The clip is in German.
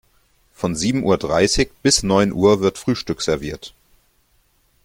Von sieben Uhr dreißig bis neun Uhr wird Frühstück serviert.